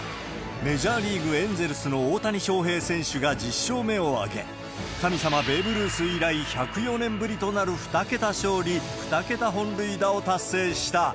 メジャーリーグ・エンゼルスの大谷翔平選手が１０勝目を挙げ、神様、ベーブ・ルース以来１０４年ぶりとなる２桁勝利、２桁本塁打を達成した。